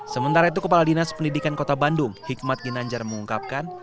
sementara itu kepala dinas pendidikan kota bandung hikmat ginanjar mengungkapkan